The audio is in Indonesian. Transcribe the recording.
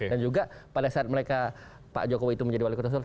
dan juga pada saat mereka pak jokowi itu menjadi wali kota solo